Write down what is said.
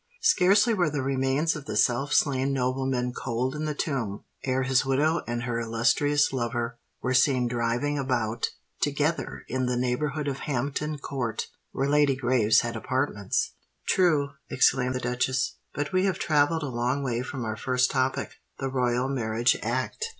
Scarcely were the remains of the self slain nobleman cold in the tomb, ere his widow and her illustrious lover were seen driving about together in the neighbourhood of Hampton Court, where Lady Graves had apartments." "True," exclaimed the duchess. "But we have travelled a long way from our first topic—the Royal Marriage Act.